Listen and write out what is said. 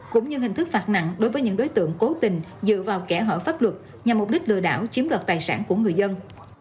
cũng như hình thức phạt nặng đối với những đối tượng cố tình dựa vào kẻ hở pháp luật nhằm mục đích lừa đảo chiếm đoạt tài sản của người dân